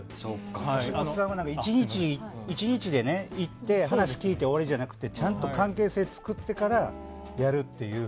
橋本は１日で行って話を聞いて終わりじゃなくてちゃんと関係性を作ってからやるという。